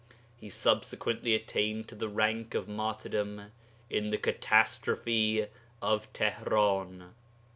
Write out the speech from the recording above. He (subsequently) attained to the rank of martyrdom in the Catastrophe of Tihran.